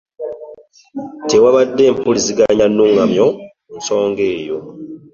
Tewabadde mpuliziganya nnuŋŋamu ku nsonga eyo.